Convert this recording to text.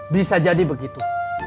bisa jadi begitu